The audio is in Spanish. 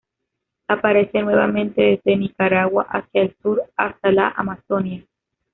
Aparece nuevamente desde Nicaragua hacia el sur, hasta la Amazonia.